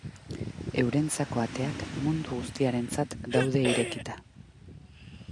Eurentzako ateak mundu guztiarentzat daude irekita.